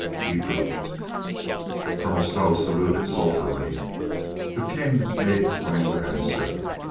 ,He drooped. Colonel Stow saluted soldierly. The King made languid answer.